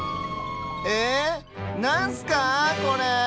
えっなんすかあこれ？